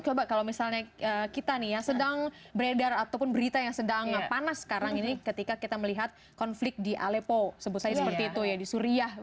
coba kalau misalnya kita nih ya sedang beredar ataupun berita yang sedang panas sekarang ini ketika kita melihat konflik di alepo sebut saja seperti itu ya di suriah